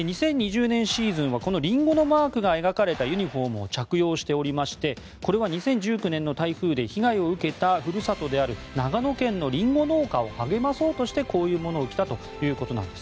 ２０２０年シーズンはリンゴのマークが描かれたユニホームを着用しておりましてこれは２０１９年の台風で被害を受けた故郷である長野県のリンゴ農家を励まそうとしてこういうものを着たと。